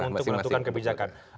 untuk menentukan kebijakan